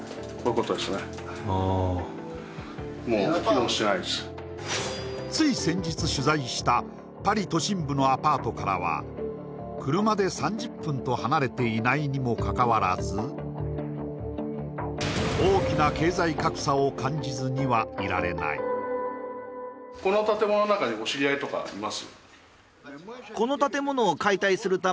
入りましょうつい先日取材したパリ都心部のアパートからは車で３０分と離れていないにもかかわらず大きな経済格差を感じずにはいられないということで建物内部の調査開始